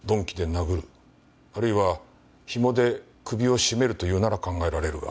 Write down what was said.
あるいは紐で首を絞めるというなら考えられるが。